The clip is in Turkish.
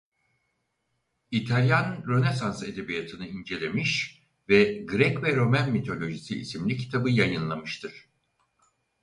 İtalyan Rönesans Edebiyatı'nı incelemiş ve "Grek ve Romen Mitolojisi" isimli kitabı yayınlamıştır.